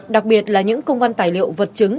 đặc biệt là những công văn tài liệu vật chứng